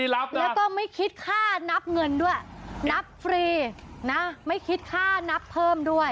แล้วก็ไม่คิดค่านับเงินด้วยนับฟรีนะไม่คิดค่านับเพิ่มด้วย